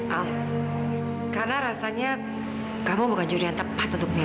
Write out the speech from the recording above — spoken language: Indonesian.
ah karena rasanya kamu bukan juri yang tepat untuk mia